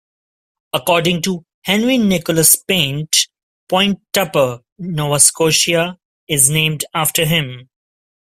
According to Henry Nicholas Paint, Point Tupper, Nova Scotia is named after him.